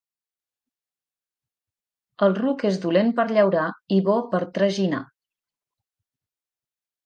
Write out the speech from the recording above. El ruc és dolent per llaurar i bo per traginar.